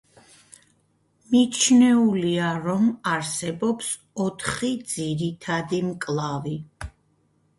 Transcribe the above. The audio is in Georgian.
მიჩნეულია რომ არსებობს ოთხი ძირითადი მკლავი.